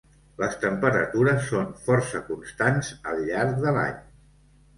Les temperatures són força constants al llarg de l’any.